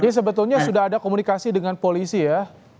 ini sebetulnya sudah ada komunikasi dengan polisi ya